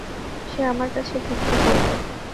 সে আমার কাছে ভিক্ষা চাইল।